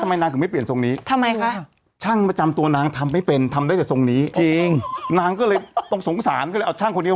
ใช่หน้าไม่มีปัญหามีปัญหาที่ทรงผมใช่ไหมคะโอ้โฮ